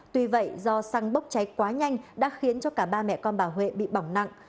tuy vậy do xăng bốc cháy quá nhanh đã khiến cho cả ba mẹ con bà huệ bị bỏng nặng